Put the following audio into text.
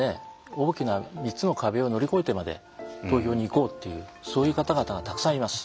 大きな３つの壁を乗り越えてまで投票に行こうっていうそういう方々がたくさんいます。